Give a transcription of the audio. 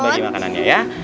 bagi makanannya ya